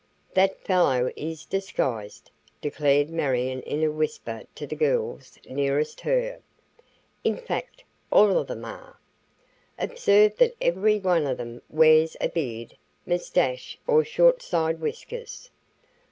"That fellow is disguised," declared Marion in a whisper to the girls nearest her. "In fact, all of them are. Observe that every one of them wears a beard, moustache or short side whiskers.